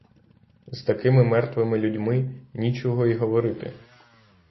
З такими мертвими людьми нічого і говорити.